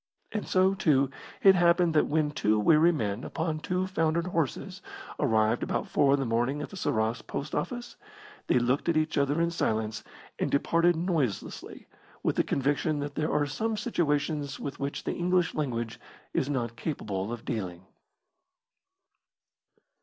And so, too, it happened that when two weary men, upon two foundered horses, arrived about four in the morning at the Sarras post office, they looked at each other in silence and departed noiselessly, with the conviction that there are some situations with which the English language is not capable of dealing.